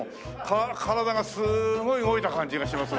体がすごい動いた感じがします。